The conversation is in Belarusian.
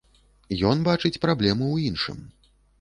Ён бачыць праблему ў іншым.